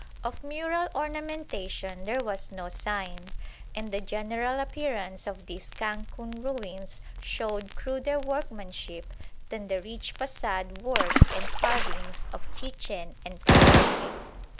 Of mural ornamentation there was no sign; and the general appearance of these Cancun ruins showed cruder workmanship than the rich façade work and carvings of Chichen and Palenque.